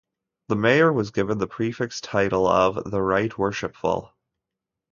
The Mayor was given the prefix title of "The Right Worshipful".